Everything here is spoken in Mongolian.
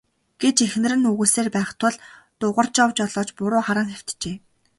гэж эхнэр нь үглэсээр байх тул Дугаржав жолооч буруу харан хэвтжээ.